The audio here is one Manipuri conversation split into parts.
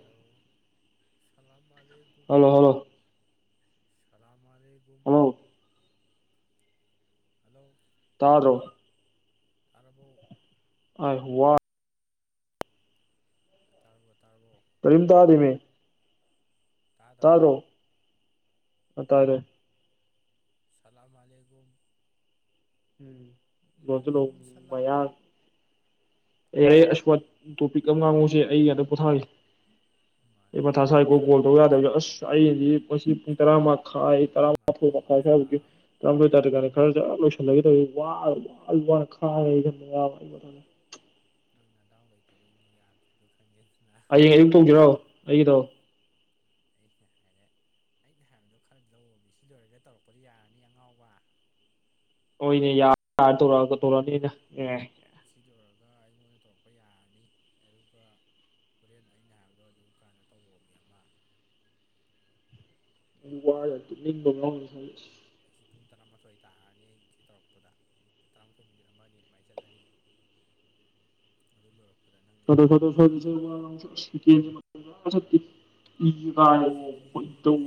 ꯍꯜꯂꯣ ꯁꯥꯂꯝ ꯃꯥꯂꯤꯝ ꯍꯜꯂꯣ ꯍꯜꯂꯣ ꯁꯂꯥꯝ ꯃꯥꯂꯤꯀꯨꯝ [unintelligible] ꯍꯜꯂꯣ ꯇꯥꯗꯔꯣ ꯇꯥꯔꯕꯣ [unintelligible] ꯇꯥꯔꯕꯣ ꯇꯥꯔꯕꯣ ꯀꯔꯤꯝ ꯇꯥꯗꯦꯅꯦ ꯇꯥꯗꯕ꯭ꯔꯣ ꯇꯥꯗꯔꯣ ꯑ ꯇꯥꯔꯦ ꯇꯥꯔꯦ ꯁꯂꯥꯝ ꯃꯥꯂꯤꯀꯨꯝ ꯎꯝ ꯃꯥꯂꯦꯒꯨꯝ ꯁꯂꯥꯝ [unintelligible] ꯃꯌꯥꯡ ꯌꯥꯔꯦ ꯌꯥꯔꯦ ꯑꯁ ꯋꯥ ꯇꯣꯄꯤꯛ ꯑꯃ ꯉꯥꯡꯉꯛꯎꯁꯦ ꯑꯩ ꯉꯥꯛꯇꯥ ꯄꯣꯊꯥꯒꯦ ꯑꯩ ꯃꯊꯥ ꯃꯥꯂꯦꯒꯨꯝ ꯁ꯭ꯥꯏꯈꯣ ꯀꯣꯜ ꯇꯧ ꯁꯂꯥꯝ ꯌꯥꯗꯕꯒꯤ ꯁꯂꯥꯝ ꯑꯁ ꯑꯩꯗꯤ ꯑꯂꯦꯒꯨꯝ ꯃꯁꯤ ꯄꯨꯡ ꯇꯔꯥ ꯃꯈꯥꯏ ꯇꯔꯥꯥ ꯃꯥꯊꯣꯏꯕꯥꯎ ꯒꯨꯝ ꯁꯂꯥꯝ ꯇꯔꯥꯃꯊꯣꯏ ꯇꯥꯗ꯭ꯔꯤꯀꯥꯟꯗ ꯈꯔ ꯑꯥ ꯂꯣꯏꯁꯤꯜꯂꯒꯦ ꯇꯧꯕꯅꯦ ꯋꯥ ꯋꯥ ꯋꯥꯅ ꯈꯥꯡꯉꯦ ꯑꯩ ꯈꯥꯡꯉꯦ ꯑꯩ [unintelligible] ꯅꯪ ꯅꯗꯥꯎ ꯂꯩꯇꯕꯩꯅꯤ ꯌꯥꯗ꯭ꯔꯤꯗꯣ ꯈꯪꯉꯦꯗꯅꯥ ꯍꯌꯦꯡ ꯑꯌꯨꯛ ꯇꯧꯖꯤꯔꯣ ꯑꯩꯒꯤꯗꯣ ꯑꯩꯅ ꯍꯥꯏꯔꯦ ꯑꯩꯅ ꯍꯥꯏꯕꯗꯣ ꯈꯔ ꯂꯧꯋꯣꯃꯤ ꯁꯤ ꯂꯣꯏꯔꯒ ꯇꯧꯔꯛꯄꯗꯣ ꯌꯥꯔꯅꯤ ꯑꯉꯥꯎꯕ ꯍꯣꯏꯅꯦ ꯌꯥ ꯇꯧꯔꯛꯑꯒ ꯇꯧꯔꯛꯑꯅꯤ ꯑꯩꯅꯥ ꯑꯦ ꯁꯤ ꯂꯣꯏꯔꯒ ꯑꯩꯉꯣꯟꯗ ꯇꯧꯔꯛꯄ ꯌꯥꯔꯅꯤ ꯑꯗꯨꯒ ꯍꯣꯔꯦꯟ ꯑꯩꯅ ꯍꯥꯏꯕꯗꯣ ꯑꯗꯨ ꯀꯥꯟꯅ ꯇꯧꯔꯛꯑꯣ ꯃꯤ ꯑꯃ ꯎꯝ ꯍꯣꯏ ꯇꯨꯞꯅꯤꯡꯕ ꯉꯥꯎꯕꯅꯥ ꯏꯁꯥꯁꯦ ꯉꯥꯁꯤ ꯄꯨꯡ ꯇꯔꯥꯃꯥꯊꯣꯏ ꯇꯥꯔꯅꯤ ꯑꯩꯗꯤ ꯇꯧꯔꯛꯄꯗ ꯄꯨꯡ ꯇꯔꯥꯃꯥꯊꯣꯏ ꯃꯤꯅꯤꯠ ꯑꯃ ꯑꯅꯤ ꯑꯗꯨꯃꯥꯏꯅ ꯆꯠꯂꯅꯤ ꯑꯗꯨꯗꯣ ꯂꯣꯏꯔꯛ- [unintelligible] ꯏ ꯀꯥꯏꯀꯣ ꯈꯣꯏꯗꯧ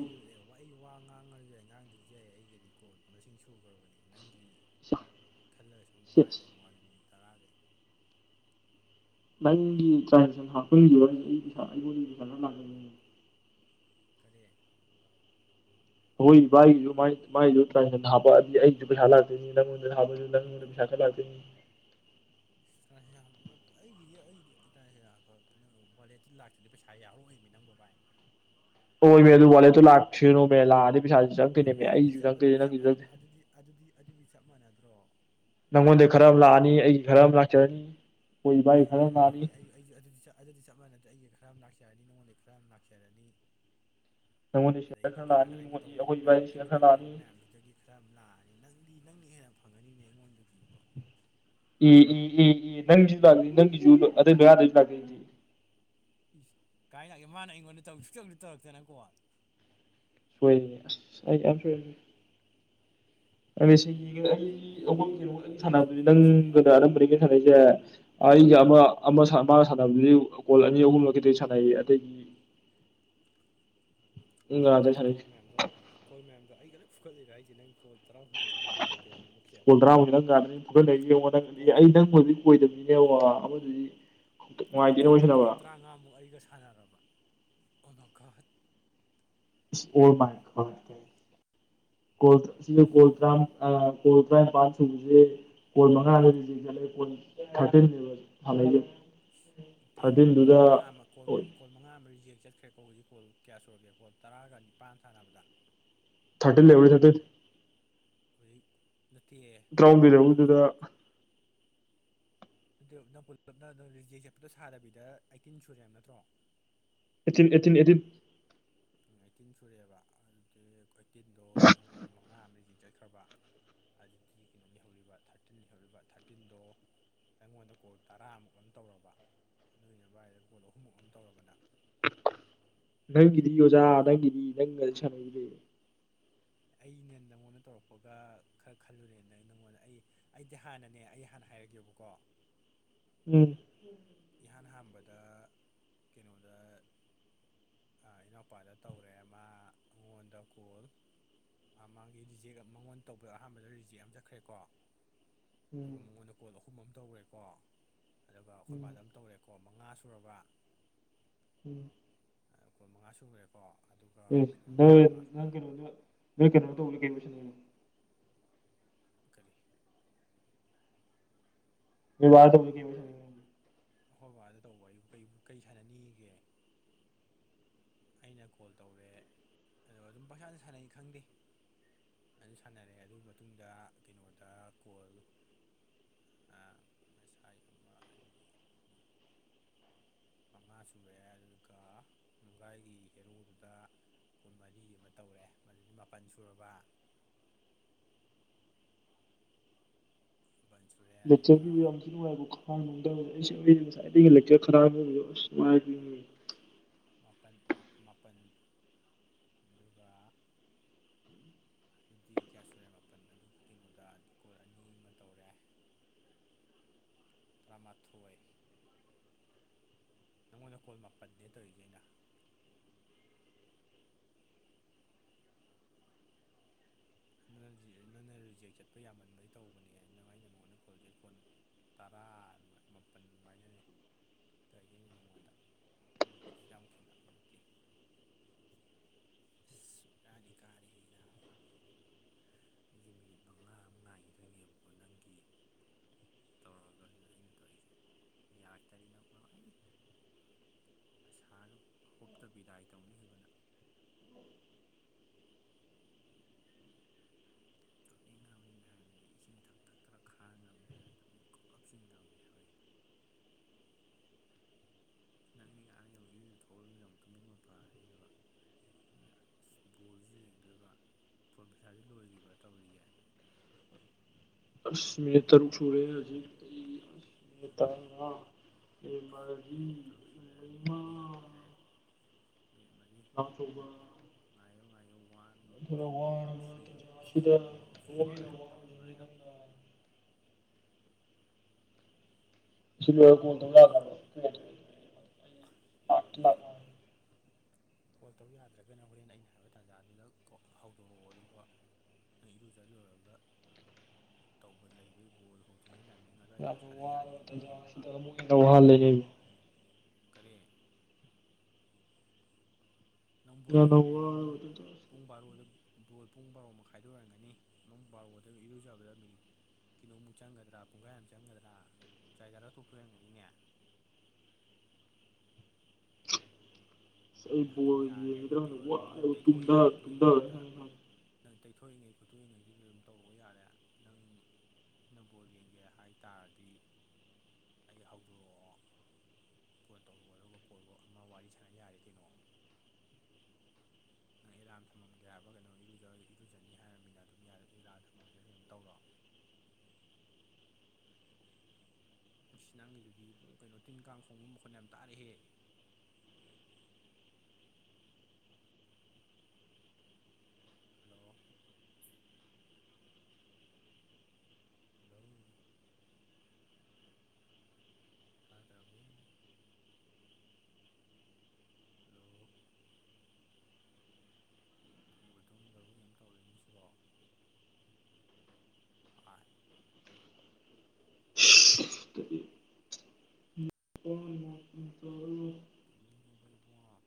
ꯋꯥ ꯑꯩ ꯋꯥ ꯉꯥꯡꯉꯁꯨ ꯌꯥꯏ ꯉꯥꯡꯗ꯭ꯔꯁꯨ ꯌꯥꯏ ꯑꯩꯒꯤꯗꯤ ꯀꯣꯜ ꯃꯁꯤꯡ ꯁꯨꯈ꯭ꯔꯕꯅꯦ ꯅꯪꯒꯤ ꯈꯜꯂꯒ ꯁꯨꯝ ꯄꯥꯏ ꯂꯩꯕꯩꯋꯥꯅꯦ ꯃꯤꯅꯤꯠ ꯇꯔꯥꯁꯦ ꯅꯪꯒꯤ ꯇ꯭ꯔꯥꯟꯀꯔ꯭ꯤꯞꯁꯟ ꯍꯥꯞꯄꯟꯈꯤꯕ ꯑꯩ ꯄꯩꯁꯥ ꯑꯩꯉꯣꯟꯗꯒꯤ ꯄꯩꯁꯥ ꯈꯔꯥ ꯂꯥꯛꯇꯧꯅꯤꯅꯦ ꯀꯔꯤ ꯑꯈꯣꯏ ꯏꯚꯕꯥꯏꯒꯤꯁꯨ ꯃꯥꯏꯁꯨ ꯃꯥꯏꯁꯨ ꯇ꯭ꯔꯥꯟꯁꯟ ꯍꯥꯞꯄꯛꯑꯗꯤ ꯑꯩꯁꯨ ꯄꯩꯁꯥ ꯂꯥꯛꯇꯣꯏꯅꯤ ꯅꯉꯣꯟꯗ ꯊꯕ ꯅꯪ ꯄꯩꯁꯥ ꯈꯔꯥ ꯂꯥꯛꯇꯣꯏꯅꯤ [unintelligible] ꯑꯩꯒꯤꯗꯤ ꯑꯩꯗꯤ [unintelligible] [unintelligible] ꯑꯗꯨꯗꯤ ꯄꯩꯁꯥ ꯌꯥꯎꯔꯛꯑꯣꯏꯃꯤ ꯅꯪꯕꯣ ꯚꯥꯏ ꯍꯣꯏꯃꯤ ꯑꯗꯨ ꯋꯥꯂꯦꯠꯇꯣ ꯂꯥꯛꯁꯥꯅꯣꯃꯤ ꯂꯥꯛꯑꯗꯤ ꯄꯩꯁꯥ ꯑꯗꯨꯗ ꯑꯗꯨꯗꯤ ꯆꯞ ꯑꯗꯨꯗꯤ ꯆꯞ ꯑꯗꯨꯗꯤ ꯑꯗꯨꯗꯤ ꯑꯗꯨꯗꯤ ꯆꯞ ꯃꯥꯟꯅꯗ꯭ꯔꯣ ꯅꯪꯉꯣꯟꯗꯩ ꯈꯔ ꯑꯃ ꯂꯥꯛꯑꯅꯤ ꯑꯩꯒꯤ ꯈꯔ ꯑꯃ ꯂꯥꯛꯆꯔꯅꯤ ꯑꯩꯈꯣꯏ ꯏꯕꯥꯏ ꯈꯔ ꯑꯥꯏ ꯑꯃ ꯂꯥꯛꯑꯅꯤ ꯑꯗꯨꯗꯤ ꯑꯩ ꯑꯩꯖꯨ ꯑꯗꯨꯗꯤ ꯑꯗꯨꯗꯤ ꯆꯞ ꯃꯥꯟꯅꯗꯥ ꯑꯩꯒ ꯈꯔ ꯑꯃ ꯂꯥꯛꯆꯔꯅꯤ ꯅꯉꯣꯟꯗꯩꯩ ꯈꯔ ꯑꯃ ꯂꯥꯛꯆꯔꯅꯤ ꯅꯪꯉꯣꯟꯗꯩ ꯁꯤꯌꯔ ꯑꯗꯒꯤ ꯈꯔ ꯀꯅꯥ ꯂꯥꯛꯑꯅꯤ ꯀꯅꯥ ꯑꯩꯅ ꯃꯣꯏ- ꯇꯧꯈꯤꯕ ꯑꯩꯈꯣꯏ ꯃꯌꯥꯝ ꯏꯕꯥꯏꯒꯤ ꯑꯩꯅ ꯁꯤꯌꯔ ꯈꯔ ꯂꯥꯛꯑꯅꯤ ꯇꯧꯈꯤꯕ ꯃꯌꯥꯝꯗꯨꯗꯒꯤ ꯈꯔ ꯑꯃ ꯂꯥꯛꯑꯅꯤ ꯅꯪꯗꯤ ꯅꯪꯅ ꯍꯦꯟꯅ ꯐꯪꯉꯅꯤꯅꯦ ꯑꯩꯉꯣꯟꯗꯒꯤ ꯏꯕꯣ ꯑꯦ ꯑꯦ ꯑꯦ ꯑꯦ ꯅꯪꯒꯤꯁꯨ ꯂꯥꯛꯅꯤ ꯅꯪꯒꯤꯁꯨ ꯑꯗꯩ ꯃꯌꯥꯥꯗꯨꯗꯥ [unintelligible] ꯏꯁ ꯀꯥꯏ ꯂꯥꯛꯒꯦ ꯃꯥꯅ ꯑꯩꯉꯣꯟꯗ ꯇꯧꯁꯨ [unintelligible] ꯇꯧꯔꯛꯇꯅ ꯀꯣꯜ ꯍꯣꯏꯅꯦ ꯑꯁ ꯑꯩ ꯌꯥꯝ ꯁꯣꯏꯈ꯭ꯔꯦ [unintelligible] ꯑꯗꯨꯅꯅꯤ ꯑꯩꯅ ꯀꯃꯤꯁꯟ ꯍꯥꯏꯁꯦ ꯈꯪꯉꯦꯗꯅ ꯅꯪ ꯀꯃꯤꯁꯟ ꯄꯤꯗꯕ ꯁꯨꯛꯌꯥ ꯅꯪꯗꯥꯅ ꯑꯅꯝꯕꯅꯤ ꯀꯩꯅꯣ ꯁꯥꯟꯅꯩꯖꯦ ꯑꯩꯒ ꯑꯃ ꯑꯃ ꯁꯥꯟꯅ ꯃꯥꯒ ꯁꯥꯟꯅꯕꯗꯤ ꯀꯣꯜ ꯑꯅꯤ ꯑꯍꯨꯝꯂꯥ ꯈꯤꯇ ꯁꯥꯟꯅꯩꯌꯦ ꯑꯇꯩꯗꯤ [inaudible] ꯉꯥꯗ ꯅꯪ ꯀꯣꯜ ꯁꯥꯟꯅꯩꯁꯦ ꯃꯌꯥꯝꯗꯣ ꯀꯣꯜ ꯃꯌꯥꯝꯗꯣ ꯑꯩꯒ ꯂꯣꯏ ꯐꯨꯒꯠꯂꯤꯔꯣ ꯍꯥꯏꯖꯦ ꯅꯪ ꯀꯣꯜ ꯇꯔꯥꯍꯨꯝꯗꯣꯏ ꯀꯩꯅꯣꯃꯨꯛꯁꯦ ꯀꯨꯜ ꯇꯔꯥꯃꯨꯛ ꯅꯪ [unintelligible] ꯐꯨꯒꯠꯂꯤꯁꯦ ꯌꯦꯡꯉꯣ ꯀꯣꯜ ꯅꯪꯗ ꯑꯩ ꯅꯪ ꯍꯧꯖꯤꯛ ꯑꯣꯏꯗꯕꯅꯤꯅꯦꯕꯣ ꯑꯃꯗꯨꯗꯤ ꯀꯣ ꯅꯨꯡꯉꯥꯏꯇꯦꯅꯦ ꯇꯔꯥ ꯋꯥꯔꯤ ꯁꯥꯟꯅꯕ ꯀꯣꯜ ꯇꯔꯥꯉꯥꯃꯨꯛ ꯑꯩꯒ ꯁꯥꯟꯅꯔꯕ ꯑꯣꯃꯥꯒꯣꯠ ꯏꯁ ꯑꯣꯃꯥꯥꯏꯔꯣꯠ ꯀꯥꯏ ꯀꯣꯜ ꯀꯣꯜ ꯇ꯭ꯔꯥꯝ ꯑꯥ ꯀꯣꯜ ꯇꯔꯥ꯭ꯝꯄꯥꯟ ꯁꯨꯕꯁꯦ ꯀꯣꯜ ꯃꯉꯥꯗ [unintelligible] ꯀꯣꯜ ꯊꯥꯔꯇꯤꯟꯅꯦꯕ ꯁꯥꯟꯅꯩꯖꯦ ꯏꯁ ꯅꯠꯇꯦ ꯀꯣꯟ ꯃꯉꯥ ꯑꯃ [unintelligible] ꯀꯣꯜ ꯃꯉꯥ ꯑꯃ ꯔꯤꯖꯦꯛ ꯆꯠꯈ꯭ꯔꯦꯀꯣ ꯍꯧꯖꯤꯛ ꯀꯣꯜ ꯀꯌꯥ ꯁꯨꯔꯒꯦ ꯀꯣꯜ ꯇꯔꯥꯒ ꯅꯤꯄꯥꯟ ꯁꯥꯟꯅꯕꯗ ꯊꯥꯔꯇꯤꯟ ꯂꯩꯍꯧꯔꯤ [unintelligible] ꯍꯧꯖꯤꯛ ꯅꯠꯇꯤꯌꯦ ꯇꯔꯥꯍꯨꯝꯗꯣꯏ ꯃꯉꯥ ꯂꯩꯍꯧꯔꯤꯗꯨꯗ ꯑꯗꯨ ꯅꯥ ꯄꯨꯂꯞꯅ ꯑꯗꯣ ꯔꯤꯖꯦꯛ ꯆꯠꯄꯗꯣ ꯁꯥꯗꯕꯤꯗ ꯑꯩꯇꯤꯟ ꯁꯨꯔꯦ ꯍꯥꯏꯕ ꯅꯠꯇ꯭ꯔꯣ ꯑꯦꯇꯤꯟ ꯑꯦꯇꯤꯟ ꯑꯦꯇꯤꯟ ꯎꯝ ꯑꯩꯇꯤꯟ ꯁꯨꯔꯦꯕ ꯑꯗꯨꯗꯤ ꯑꯩꯇꯤꯟꯗꯣ ꯑꯩꯉꯣꯟ ꯃꯉꯥ ꯑꯃ ꯔꯤꯖꯦꯛ ꯆꯠꯈ꯭ꯔꯕ ꯑꯗꯨꯗꯤ ꯀꯩꯅꯣ ꯂꯩꯍꯧꯔꯤꯕ ꯊꯥꯔꯇꯤꯟ ꯂꯩꯍꯧꯔꯤꯕ ꯊꯥꯔꯇꯤꯟꯗꯣ ꯑꯩꯉꯣꯟꯗ ꯀꯣꯜ ꯇꯔꯥꯃꯨꯛ ꯑꯃ ꯇꯧꯔꯕ ꯅꯣꯏ ꯅꯕꯥꯏꯗ ꯀꯣꯜ ꯑꯍꯨꯝꯃꯨꯛ ꯑꯃ ꯇꯧꯔꯕꯅ ꯅꯪ ꯅꯪꯒꯤꯗꯤ ꯑꯣꯖꯥ ꯅꯪꯒꯤꯗꯤ ꯅꯪꯒꯗꯤ ꯁꯥꯟꯅꯔꯤ ꯑꯅꯦ ꯅꯉꯣꯟꯗ ꯇꯧꯔꯛꯄꯒ ꯈꯔ ꯈꯜꯂꯨꯔꯦꯅ ꯑꯩꯅ ꯅꯪꯉꯣꯟꯗ ꯑꯩ ꯑꯩꯗꯤ ꯍꯥꯟꯅꯅꯦ ꯑꯩ ꯍꯥꯟꯅ ꯍꯥꯏꯔꯒꯦꯕꯀꯣ ꯎꯝ ꯏꯍꯥꯟ ꯍꯥꯟꯕꯗ ꯀꯩꯅꯣꯗ ꯏꯅꯥꯎꯄꯥꯗ ꯇꯧꯔꯑꯦ ꯑꯃ ꯑꯩꯉꯣꯟꯗ ꯀꯣꯜ ꯃꯥꯒꯤ ꯔꯤꯖꯦꯛ ꯃꯉꯣꯟꯗ ꯇꯧꯕꯗ ꯑꯍꯥꯟꯕꯗ ꯔꯤꯖꯦꯛ ꯑꯃ ꯆꯠꯈ꯭ꯔꯦꯀꯣ ꯎꯝ ꯑꯗꯨꯒ ꯃꯉꯣꯟꯗ ꯀꯣꯜ ꯑꯍꯨꯝ ꯑꯃ ꯇꯧꯈ꯭ꯔꯦꯀꯣ ꯑꯗꯨꯒ ꯎꯝ ꯑꯩꯈꯣꯏꯕꯥꯗ ꯑꯃ ꯇꯧꯔꯦꯀꯣ ꯃꯉꯥ ꯁꯨꯔꯕ ꯎꯝ ꯀꯨꯟ ꯃꯉꯥ ꯁꯨꯔꯦꯀꯣ ꯑꯗꯨꯒ ꯀꯩꯅꯣꯗ ꯑꯃ ꯀꯩꯅ ꯀꯩ ꯀꯔꯤ [unintelligible] ꯍꯈꯣꯏ ꯕꯥꯗ ꯇꯧꯕ ꯑꯩꯕꯨ ꯀ ꯀꯔꯤ ꯁꯥꯟꯅꯅꯤꯒꯦ ꯑꯩꯅ ꯀꯣꯜ ꯇꯧꯔꯦ ꯑꯗꯣ ꯑꯗꯨꯝ ꯄꯩꯁꯥꯅ ꯁꯥꯟꯅꯩ ꯈꯪꯗꯦ ꯑꯗꯨ ꯁꯥꯟꯅꯔꯦ ꯑꯗꯨ ꯃꯇꯨꯡꯗ ꯀꯩꯅꯣꯗ ꯀꯣꯜ ꯉꯁꯥꯏ ꯑꯃ ꯑꯅꯤ ꯑꯍꯨꯝ ꯃꯉꯥ ꯁꯨꯔꯛꯑꯦ ꯑꯗꯨꯒ ꯅꯨꯡꯒꯥꯏꯒꯤ ꯍꯦꯔꯣꯗꯨꯗ ꯀꯨꯟ ꯃꯔꯤ ꯑꯃ ꯇꯧꯔꯑꯦ ꯃꯗꯨꯗꯤ ꯃꯥꯄꯜ ꯁꯨꯔꯕ ꯖ ꯂꯩꯆꯔꯒꯤ ꯑꯝꯁꯤꯅꯅꯨꯡꯕꯕꯨꯛ ꯥꯏ ꯂꯩꯛ ꯈꯔ ꯃꯥꯄꯜ ꯃꯥꯄꯜ ꯑꯗꯨꯒ ꯑꯗꯨꯗꯤ ꯀꯌꯥ ꯁꯨꯔꯦ ꯃꯥꯄꯜ ꯑꯗꯨꯒ ꯀꯩꯅꯣꯗ ꯀꯣꯜ ꯑꯅꯤ ꯑꯃ ꯇꯧꯔꯦ ꯇꯔꯥꯃꯊꯣꯏ ꯅꯪꯉꯣꯟꯗ ꯀꯣꯜ ꯃꯥꯄꯜꯅꯦ ꯇꯧꯔꯤꯁꯦ ꯑꯩꯅ ꯅ ꯅꯪꯅ ꯔꯤꯖꯦꯛ ꯆꯠꯄ ꯌꯥꯝꯃꯟꯕꯩ ꯇꯧꯕꯅꯦ ꯅ ꯑꯩ ꯀꯩꯅꯣꯉꯣꯟꯗ ꯀꯣꯜꯖꯦ ꯐꯣꯟ ꯇꯔꯥ ꯃꯥꯄꯜ ꯑꯗꯨꯃꯥꯏꯅꯅꯦ ꯑꯗꯨꯅꯦ ꯅꯉꯣꯟꯗ ꯁꯤ ꯌꯥꯝ ꯈꯦꯠꯅꯕ ꯅꯠꯇꯦ ꯄꯙꯀꯅꯥ ꯑꯩꯁꯦ ꯃꯤꯅꯤꯠ ꯃꯉꯥ ꯑꯃ ꯉꯥꯏꯈꯤꯗꯣꯏꯅꯦꯕꯀꯣ ꯅꯪꯒꯤ ꯇꯧꯔꯒ ꯑꯗꯨꯗ ꯑꯩꯅ ꯇꯧꯔꯤꯁꯦ ꯌꯥꯔꯛꯇꯗꯤ ꯅꯪ ꯅꯨꯡꯉꯥꯏꯅꯤ ꯑꯁꯥꯔ ꯍꯣꯞꯇꯕꯤꯗꯥꯏ ꯇꯧꯅꯤꯡꯈꯤꯕꯅ ꯇꯨꯞꯅꯤꯡ ꯉꯝꯅꯤ ꯍꯥꯏꯔꯗꯤ ꯏꯁꯤꯡ ꯊꯛ ꯊꯛ ꯊꯔ ꯈꯥ ꯉꯝꯅꯤ ꯍꯥꯏꯔꯗꯤ ꯇꯨꯅꯤꯡ ꯀꯨꯞ ꯀꯞꯁꯤꯟ ꯉꯝꯅꯤ ꯑꯩꯣꯏꯗꯤ ꯅꯪꯒꯤ ꯉꯉꯥꯥꯡ ꯌꯨꯛ ꯌꯨꯗꯨꯗ ꯊꯣꯛꯎꯅꯤꯅ ꯑꯃꯨꯛ ꯇꯨꯅꯤꯡꯕ ꯐꯔꯕ ꯁꯤꯅ ꯑꯁ ꯕꯣꯜꯁꯤ ꯌꯦꯡꯗꯣꯏꯕ ꯐꯣꯔ ꯄꯩꯁꯥꯁꯤ ꯂꯣꯏꯈꯤꯕ ꯇꯧꯔꯤꯒꯦ ꯁꯅꯦꯇꯔꯨ ꯁꯨꯔꯦ ꯍꯧꯖꯤ ꯀ ꯍ ꯃꯥ ꯃꯤ ꯇꯔꯨꯛ ꯁꯨꯔꯦ ꯃꯟ ꯃꯔꯤ ꯈꯦ ꯃꯟ ꯃꯔꯤ ꯑ ꯉꯥꯏꯌꯨ ꯉꯥꯏꯌꯣ ꯋꯥꯟ ꯇꯨ ꯋꯥꯔꯕ ꯊ꯭ꯔꯤ ꯇꯥꯟꯖꯥꯁꯤꯗ ꯐꯣꯔ ꯂꯣꯛꯒꯤꯅ ꯐꯥꯏꯚ ꯋꯥꯍꯪꯁꯤꯅꯤ ꯇꯉꯌꯣ ꯅꯪꯅ ꯁꯤ ꯀꯨꯜ ꯊ ꯑꯩ ꯂꯑ ꯂꯥꯛꯇꯤ ꯂꯥꯛꯅ [unintelligible] ꯀꯣꯜ ꯇꯧ ꯌꯥꯗ꯭ꯔꯒꯅ ꯍꯣꯔꯦꯟ ꯑꯩꯅ ꯍꯥꯏꯕ ꯇꯥꯟꯖꯥꯗꯨꯗ ꯍꯧꯗꯣꯔꯛꯑꯣ ꯑꯗꯨꯒ ꯅꯪ ꯏꯔꯨꯖ ꯂꯨꯔꯒ ꯇꯧꯕ ꯂꯩꯕꯩ ꯐꯨꯠꯕꯣꯜ ꯍꯧꯗ꯭ꯔꯤꯉꯩꯗ ꯃꯤꯡ ꯑꯗꯨꯋꯥꯏꯗ ꯌꯥꯝꯅ ꯁꯥꯟꯅ ꯌꯥꯅꯤ ꯋꯥꯔꯕ ꯃꯤꯀꯣꯜ ꯑꯃ ꯇꯥꯟꯖꯥꯁꯤꯗ ꯑꯃꯨꯛ ꯍꯦꯟꯅ ꯋꯥꯍꯜꯂꯦꯅꯦ ꯀꯔꯦ ꯅꯪ ꯕꯣꯜꯗꯤ ꯌꯥꯝꯅ ꯉꯝꯗ ꯅꯅꯨꯡ ꯋꯥꯔꯕ ꯇꯥꯟꯖꯥꯁꯤꯗ ꯄꯨꯡ ꯕꯥꯔꯣꯗ ꯕꯣꯜ ꯄꯨꯡ ꯕꯥꯔꯣ ꯃꯈꯥꯏꯗꯣꯔꯝꯒꯅꯤ ꯏꯃꯨꯡ ꯕꯥꯔꯣꯗ ꯏꯔꯨꯖꯕꯗ ꯃꯤꯅꯤꯠ ꯀꯤꯣꯃꯨꯛ ꯆꯪꯒꯗ꯭ꯔꯥ ꯄꯨꯡꯈꯥꯏ ꯑꯃ ꯆꯪꯒꯗ꯭ꯔꯥ ꯆꯥꯏ ꯆꯥꯔꯥ ꯊꯣꯛꯇꯣꯏꯔꯝꯒꯅꯤꯅꯦ ꯑꯁ ꯑꯩ ꯑꯗꯨꯝ ꯕꯣꯜ ꯌꯥꯔꯦ ꯑꯗꯨ ꯌꯦꯡꯒꯗ꯭ꯔꯅ ꯇꯧꯔ ꯑꯗꯨꯝ ꯅꯪ ꯋꯥꯔꯦꯕ ꯇꯨꯝꯊ ꯇꯩꯊꯣꯛꯏꯉꯩ ꯇꯨꯝꯊꯔꯦ ꯈꯣꯠꯇꯣꯛꯏꯉꯩꯗꯨꯗ ꯉꯔꯥꯡ ꯅꯪ ꯇꯩꯊꯣꯛꯏꯉꯩ ꯈꯨꯠꯇꯣꯛꯏꯉꯩꯗꯨꯗ ꯑꯗꯨꯝ ꯇꯧꯔꯨꯕ ꯌꯥꯔꯦ ꯅꯪ ꯩꯅ ꯕꯣꯜ ꯌꯦꯡꯒꯦ ꯍꯥꯏ ꯇꯥꯔꯗꯤ ꯑꯩ ꯍꯧꯗꯣꯔꯛꯑꯣ ꯐꯣꯟ ꯇꯧꯔꯛꯑꯣ ꯑꯗꯨꯒ ꯀꯣꯜ ꯑꯃ ꯋꯥꯔꯤ ꯁꯥꯟꯅ ꯌꯥꯔꯦ ꯀꯩꯅꯣ ꯅꯪ ꯑꯦꯂꯥꯔꯝ ꯊꯝꯒꯦ ꯍꯥꯏꯕ ꯀꯩꯅꯣꯔ ꯏꯔꯨꯖꯅꯤ ꯍꯥꯏꯔꯕꯃꯤ ꯑꯗꯨꯝ ꯌꯥꯔꯗꯤ ꯑꯦꯂꯥꯔꯝ ꯊꯝꯃꯒꯦꯕ ꯀꯩꯅꯣ ꯇꯧꯔꯣ ꯁꯤ ꯅꯪꯒꯤꯗꯨꯗꯤ ꯀꯩꯅꯣ ꯇꯤꯟ ꯀꯥꯡ ꯈꯣꯡꯕ ꯃꯈꯠ ꯌꯥꯝ ꯇꯥꯔꯛꯍꯦ ꯍꯜꯂꯣ ꯍꯜꯂꯣ ꯈꯗꯕꯨ ꯍꯜꯂꯣ ꯇꯨꯝꯕꯨ ꯇꯨꯝ ꯂꯕ ꯀꯩ ꯇꯧꯔꯤꯛꯅꯤ ꯁꯤꯕꯣ ꯑꯥꯏ ꯑꯗꯨ ꯑꯣ ꯃꯐꯝ ꯇꯔꯨ ꯇꯃꯤꯅꯕꯩꯕꯉ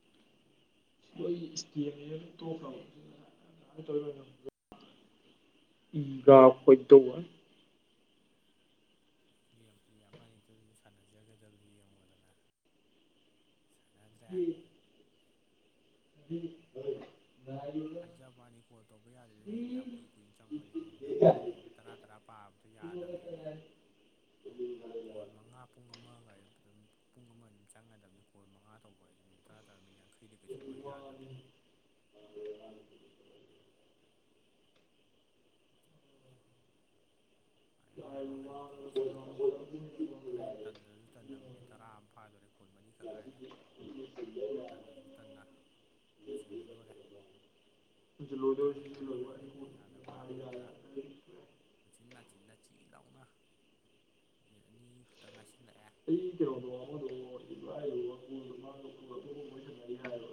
ꯂꯣꯏꯒꯤ ꯏꯁꯇꯦꯝ ꯇꯣꯛꯈ꯭ꯔꯕ ꯑꯗꯨꯃꯥꯏꯅ ꯇꯧ ꯎ ꯥ ꯑꯣꯏꯣꯏꯗ ꯒꯦꯝ ꯄ꯭ꯂꯦ ꯑꯃꯗꯕꯁꯨ ꯁꯥꯟꯅꯖꯒꯗꯕꯗꯨ ꯌꯦꯡꯉꯣꯗꯅ ꯭ꯔꯦ ꯎꯝ ꯍ ꯍꯥꯏꯖꯕꯅꯤ ꯀꯣꯜ ꯇꯧꯕ ꯌꯥꯗꯦꯗ ꯃꯤꯅꯤ ꯌꯥꯝ ꯀꯨꯏ ꯀꯨꯏꯅ ꯆꯪꯕꯅꯦ ꯃꯤ ꯅ ꯅꯪꯃꯤꯅꯤ ꯇꯔꯥ ꯇꯔꯥ ꯄꯥꯕꯗꯣ ꯌꯥꯗꯕꯅꯤ ꯃꯤ ꯀꯣꯜ ꯃꯉꯥ ꯄꯨꯡ ꯑꯃꯒ ꯑꯗꯨꯝ ꯄꯨꯡ ꯑꯃ ꯑꯗꯨꯝ ꯆꯪꯒꯗꯕꯅꯤ ꯀꯣꯜ ꯃꯉꯥ ꯇꯧꯕ ꯍꯥꯏꯁꯦ ꯃꯤ ꯇꯔꯥ ꯇꯔꯥ ꯃꯤ ꯌꯥꯡꯈꯩ ꯃꯈꯩꯗ ꯀꯩꯁꯨ ꯂꯣꯏ ꯌꯥꯗꯕꯅꯦꯕ ꯉꯥꯏꯔꯣ ꯉꯥꯏꯔꯣ ꯍꯥꯏꯈꯤꯗꯤꯗ ꯁꯤ ꯇꯟꯗ ꯇꯟꯅ ꯃꯤꯅꯤꯠ ꯇꯔꯥ ꯑꯃ ꯐꯥꯗꯣꯔꯦ ꯀꯣꯜ ꯃꯔꯤꯈꯛ ꯉꯥꯏꯔꯦ ꯇꯜꯂꯁꯨ ꯇꯟꯅ ꯂꯣꯏꯁꯤꯟꯈꯤꯗꯣꯔꯦ ꯗꯥꯎ ꯌꯥꯕ ꯍꯥꯏꯒꯗ꯭ꯔꯥ ꯌꯥꯗꯕ ꯍꯥꯏꯒꯗ꯭ꯔꯥꯆꯟꯅ ꯃꯆꯤꯟ ꯆꯤ ꯂꯥꯎꯅ ꯃꯤꯅꯤꯠ ꯑꯅꯤꯈꯛꯇꯪ ꯉꯥꯏꯁꯤꯜꯂꯛꯑꯦ ꯑꯩ ꯀꯩꯅꯣꯅꯣ ꯑꯃꯗꯣꯔꯣꯏꯅꯤ ꯍꯥꯏꯔ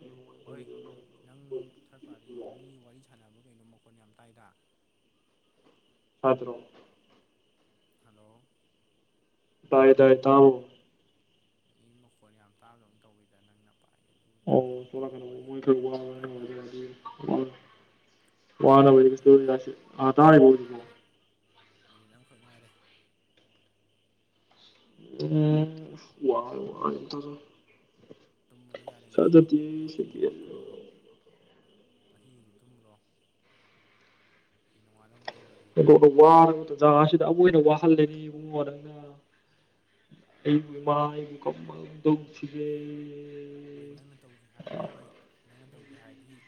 ꯑꯩꯉꯣꯟꯗ ꯍꯣꯏ ꯇꯧꯗ ꯂꯩꯕꯗꯣ ꯅꯪ ꯊꯥꯔꯠ ꯄꯥꯔꯇꯤ ꯃꯤ ꯋꯥꯔꯤ ꯁꯥꯟꯅꯕ ꯀꯩꯅꯣ ꯃꯈꯣꯟ ꯌꯥꯝ ꯇꯥꯏꯗ ꯁꯥꯠꯇ꯭ꯔꯣ ꯍꯜꯂꯣ ꯇꯥꯏ ꯇꯥꯏ ꯇꯥꯎꯑꯣ ꯃꯤ ꯃꯈꯣꯟ ꯌꯥꯝ ꯇꯥꯕꯗꯧꯅ ꯇꯧꯋꯤꯗꯅ ꯅꯪꯅ ꯄꯥꯏ ꯇꯨ ꯑꯣ ꯀꯩꯅꯣ ꯁꯣꯝ ꯅꯥꯀꯟꯗ ꯇꯧꯔꯒ ꯃꯣꯏ ꯋꯥꯔꯤꯁꯤꯅ ꯈꯔ ꯑꯃꯨꯛ ꯋꯥ ꯍꯣꯏꯅ ꯌꯥꯝ ꯇꯥꯏꯗ ꯉꯥꯡꯅꯕ ꯋꯥꯅ ꯂꯣꯏꯗꯣꯔꯦ ꯂꯣꯏꯗꯣꯔꯦ ꯇꯥꯔꯦ ꯃꯤꯅꯤꯠ ꯃꯤꯅꯤꯠ ꯃꯤꯅꯤꯠ ꯑꯃꯈꯛ ꯉꯥꯏꯔꯦ ꯎꯝ ꯋꯥꯏ ꯋꯥ ꯇ ꯇꯨꯝꯃꯨꯔꯣ ꯌꯥꯔꯦ ꯉꯁꯤꯒꯤꯗꯤ ꯏꯕꯨꯡꯉꯣ ꯇꯨꯝꯃꯨꯔꯣ ꯑꯣꯟꯊꯣꯛꯅ ꯇꯨꯝꯃꯨꯔꯣ ꯑꯁꯤꯒꯤꯗꯤ ꯇꯨꯝꯕ꯭ꯔꯣ ꯑꯩ ꯅꯨꯡꯉꯥꯏꯜꯗ ꯑꯃꯨꯛ ꯇꯧꯔꯁꯤ ꯋꯥꯔꯒ ꯇꯖꯥ ꯑꯁꯤꯗ ꯑꯃꯣꯏꯅ ꯋꯥꯍꯜꯂꯅꯤ ꯏꯃꯨꯡ ꯅꯪꯅ ꯑꯩꯕꯨꯃ ꯑꯩꯕꯨ ꯀꯃꯃꯜꯗꯝꯁꯤꯒꯦ ꯍꯣꯏ ꯅꯪꯅ ꯇꯧꯁꯤꯦ ꯍꯥꯏꯔꯗꯤ ꯍꯣꯏ ꯅꯪꯅ ꯇꯧꯁꯤ ꯍꯥꯏꯔꯗꯤ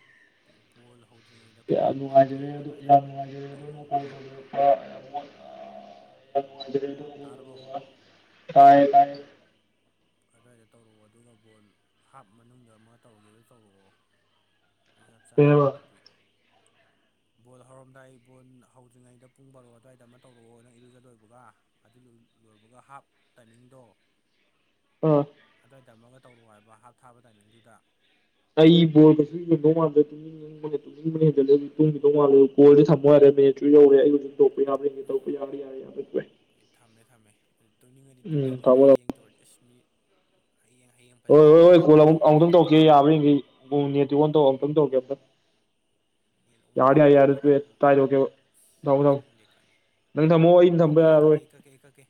ꯕꯣꯜ ꯍꯧꯗ꯭ꯔꯤꯉꯩꯗ ꯄꯨꯡ ꯌꯥꯝ ꯅꯨꯡꯉꯥꯏꯖꯔꯦ ꯕꯥꯔꯣ ꯑꯗꯨꯋꯥꯏꯗ ꯇꯧꯔꯛꯑꯣ ꯐꯣꯟ ꯑ ꯇꯥꯔꯔꯕꯣ ꯇꯥꯏ ꯇꯥꯏ ꯑꯗꯨꯋꯥꯏꯗ ꯇꯧꯔꯛꯑꯣ ꯑꯗꯨꯒ ꯕꯣꯜ ꯍꯥꯞ ꯃꯅꯨꯡꯗ ꯑꯃ ꯇꯧꯔꯒꯦꯗ ꯇꯧꯔꯛꯑꯣ ꯑꯗꯨ ꯆꯞ ꯀꯩ ꯆꯥꯔꯅꯤ ꯍꯥꯏꯕ ꯑꯗꯨꯗꯤ ꯕꯣꯜ ꯍꯧꯔꯝꯗꯥꯏ ꯕꯣꯜ ꯍꯧꯗ꯭ꯔꯤꯉꯩꯗ ꯄꯨꯡ ꯕꯥꯔꯣ ꯑꯗꯨꯋꯥꯏꯗ ꯑꯃ ꯇꯧꯔꯛꯑꯣꯅ ꯏꯔꯨꯖꯜꯂꯣꯏꯕꯒ ꯑꯗꯨ ꯂꯣꯏꯕꯒ ꯍꯥꯞ ꯇꯥꯏꯃꯤꯡꯗꯣ ꯎꯝ ꯑꯗꯨꯋꯥꯏ ꯇꯝ ꯑꯃꯃꯒ ꯇꯧꯔꯨ ꯍꯥꯏꯕ ꯍꯥꯞ ꯊꯥꯕ ꯇꯥꯏꯃꯤꯡꯗꯨꯗ ꯑꯩꯕꯣꯜ ꯀꯁꯨ ꯅꯣ ꯃꯥꯗ ꯅꯤꯡꯕ ꯍꯦꯟꯜꯂꯦ ꯑꯗꯨ ꯇꯨꯡꯒꯤꯗꯧ ꯃꯥꯜꯂꯦ ꯣꯜꯗꯤ ꯊꯝꯃꯣꯏꯔꯦꯠꯁꯨ ꯌꯧꯔꯦ ꯑꯩ ꯍꯧꯖꯤꯛ ꯇꯧꯛꯄ ꯌꯥꯕ꯭ꯔꯅꯦ ꯇꯧꯛꯄ ꯌꯥꯕ꯭ꯔꯦ [unintelligible] ꯑꯩ ꯊꯝꯃꯦ ꯊꯝꯃꯦ ꯑꯗꯨ ꯇꯨꯝꯅꯤꯡꯉꯗꯤ ꯇꯨꯝꯊꯣꯛ ꯊꯝꯃꯣ ꯌꯥꯔꯦ ꯊꯝꯃꯣ ꯍꯌꯦꯡ ꯇꯧꯔꯗꯤ ꯑꯁꯃꯤꯠ ꯍꯌꯦꯡ ꯍꯌꯦꯡ ꯍꯣꯏ ꯐꯖꯅ ꯍꯣꯏ ꯇꯧꯔꯗꯤ ꯍꯣꯏ ꯀꯣꯜ ꯀꯩꯗꯧꯔꯒꯦ ꯑꯃꯨꯛ ꯑꯩꯁꯨ ꯑꯃꯨꯛꯇꯪ ꯇꯧꯛꯀꯦ ꯇꯨꯝꯅꯤꯡꯉꯤꯃꯤ ꯌꯥꯕꯔꯤꯈꯩ ꯄꯨꯡꯅꯦ ꯇꯤꯉꯣꯟ ꯇꯧ ꯑꯨꯛꯇꯪ ꯇꯧꯀꯦ ꯑꯨꯛꯇꯪ ꯅꯦꯠ ꯑꯣꯟ ꯌꯥꯔ ꯇꯧꯕ ꯑꯌꯦꯛ ꯇꯧꯗꯕꯩꯕꯨ ꯑꯦꯇꯥꯏꯔꯦ ꯑꯁ ꯅꯎꯗꯎ ꯈꯪꯗꯦ ꯈꯪꯗꯦ ꯅꯪ ꯊꯝꯃꯣꯑꯣ ꯑꯩ ꯊꯝꯕ ꯀꯛꯀꯦ ꯌꯥꯔꯣꯏ ꯑꯩ ꯀꯛꯀꯦ ꯑꯩ ꯀꯛꯀꯦ